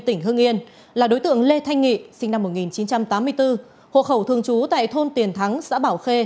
tỉnh hưng yên là đối tượng lê thanh nghị sinh năm một nghìn chín trăm tám mươi bốn hộ khẩu thường trú tại thôn tiền thắng xã bảo khê